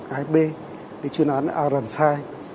hay b cái chuyên án ransai